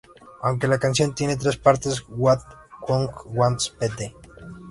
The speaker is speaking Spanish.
Aunque la canción tiene tres partes, "What God Wants Pt.